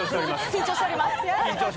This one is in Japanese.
緊張しております。